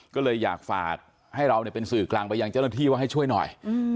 ก็เลยอยากฝากให้เราเป็นสื่อกลางไปยังเจ้าหน้าที่ว่าให้ช่วยหน่อย